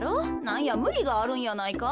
なんやむりがあるんやないか？